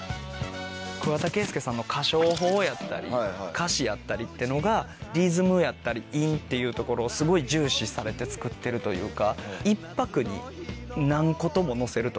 桑田佳祐さんの歌唱法やったり歌詞やったりってのがリズムやったり韻っていうところをすごい重視されて作ってるというか。